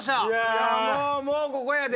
いやもうここやで！